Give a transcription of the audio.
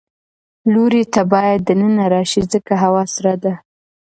لورې ته باید د ننه راشې ځکه هوا سړه ده.